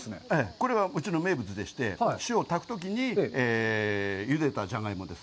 これはうちの名物でして、塩を炊くときにゆでたじゃがいもです。